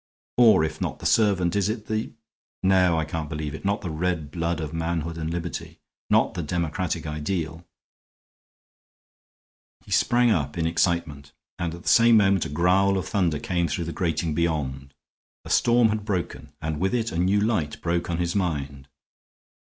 Or if not the servant, is it the ... No, I can't believe it ... not the red blood of manhood and liberty ... not the democratic ideal ..." He sprang up in excitement, and at the same moment a growl of thunder came through the grating beyond. The storm had broken, and with it a new light broke on his mind.